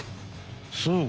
そう。